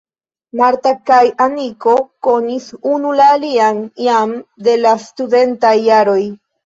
Marta kaj Aniko konis unu la alian jam de la studentaj jaroj.